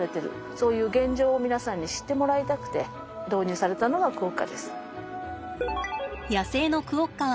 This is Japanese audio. そういう現状を皆さんに知ってもらいたくて導入されたのがクオッカです。